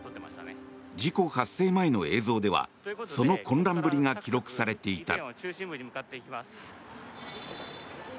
事故発生前の映像ではその混乱ぶりが記録されていた。